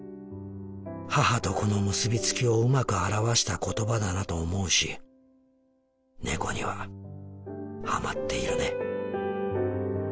母と子の結びつきをうまく表した言葉だなと思うし猫にはハマっているね。